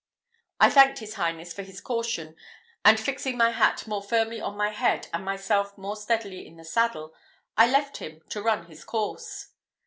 I thanked his Highness for his caution; and fixing my hat more firmly on my head, and myself more steadily in the saddle, I left him to run his course.